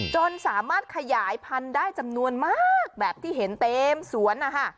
จนสามารถขยายพันธุ์ได้จำนวนมากแบบที่เห็นเต็มสวนนะคะ